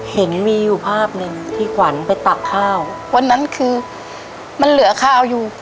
เห็นมีอยู่ภาพหนึ่งที่ขวัญไปตักข้าววันนั้นคือมันเหลือข้าวอยู่